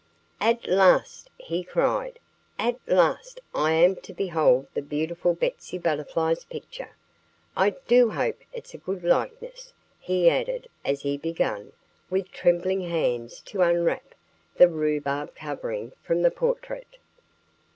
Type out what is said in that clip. "At last!" he cried. "At last I am to behold the beautiful Betsy Butterfly's picture!... I do hope it's a good likeness!" he added as he began, with trembling hands, to unwrap the rhubarb covering from the portrait.